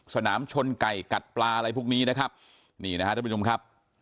สนามชนไก่กัดปลาอะไรพวกนี้นะครับนี่นะฮะท่านผู้ชมครับ